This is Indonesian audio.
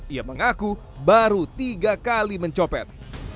ia mengaku baru tiga kali mencopet